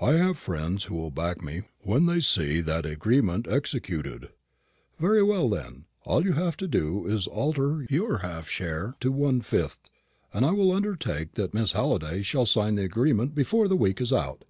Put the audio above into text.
"I have friends who will back me when they see that agreement executed." "Very well, then, all you have to do is to alter your half share to one fifth, and I will undertake that Miss Halliday shall sign the agreement before the week is out."